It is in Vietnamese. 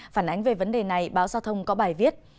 phản ánh về vấn đề này báo giao thông có bài viết